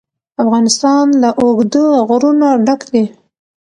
افغانستان له اوږده غرونه ډک دی.